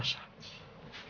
sama pak chandra